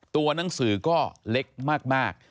ตัวหนังสือก็เล็กมาก